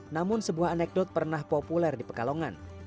namun sebuah anekdot pernah populer di pekalongan